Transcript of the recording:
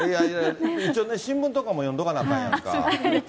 一応ね、新聞とかも読んどかなきゃあかんやんか。